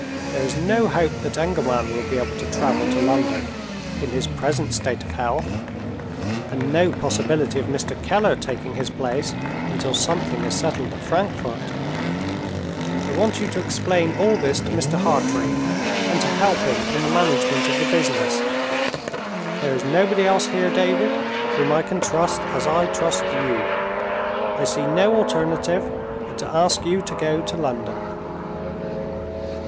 There is no hope that Engelman will be able to travel to London, in his present state of health, and no possibility of Mr. Keller taking his place until something is settled at Frankfort. I want you to explain all this to Mr. Hartrey, and to help him in the management of the business. There is nobody else here, David, whom I can trust, as I trust you. I see no alternative but to ask you to go to London."